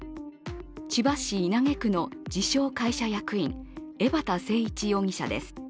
千葉市稲毛区の自称・会社役員江畑誠一容疑者です。